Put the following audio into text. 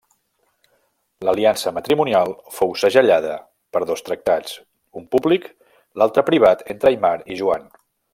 L'aliança matrimonial fou segellada per dos tractats, un públic, l'altre privat entre Aimar i Joan.